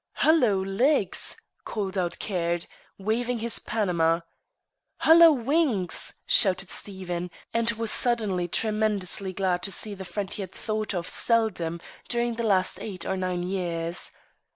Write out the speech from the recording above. "Hullo, Legs!" called out Caird, waving his Panama. "Hullo, Wings!" shouted Stephen, and was suddenly tremendously glad to see the friend he had thought of seldom during the last eight or nine years.